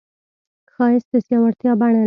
ښایست د زړورتیا بڼه لري